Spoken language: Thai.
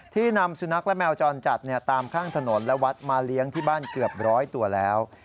นำสุนัขและแมวจรจัดตามข้างถนนและวัดมาเลี้ยงที่บ้านเกือบร้อยตัวแล้ว